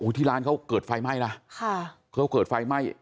อุ้ยที่ร้านเขาเกิดไฟไหม้ล่ะค่ะเขาเกิดไฟไหม้